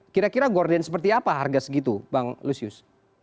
kira kira gorden seperti apa harga segitu bang lusius